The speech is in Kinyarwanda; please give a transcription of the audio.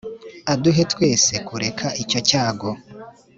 Aduhe twese kureka icyo cyago